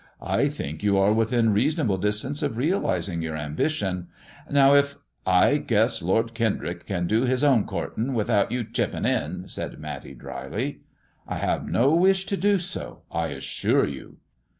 I think you are within reasonable distance of realizing your ambition. Now, if "" I guess Lord Kendrick can do his own courtin*, without you chippin* in," said Matty, dryly. " I have no wish to do so, I assure you."